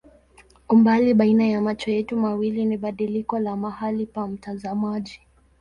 Umbali baina ya macho yetu mawili ni badiliko la mahali pa mtazamaji.